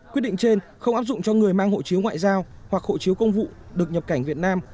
quyết định trên không áp dụng cho người mang hộ chiếu ngoại giao hoặc hộ chiếu công vụ được nhập cảnh việt nam